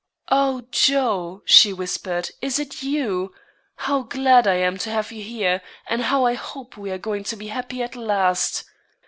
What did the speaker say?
"Oh, Joe!" she whispered, "is it you? How glad I am to have you here, and how I hope we are going to be happy at last!"